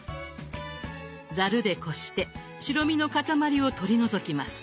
ざるでこして白身の塊を取り除きます。